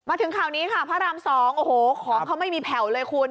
ถึงข่าวนี้ค่ะพระราม๒โอ้โหของเขาไม่มีแผ่วเลยคุณ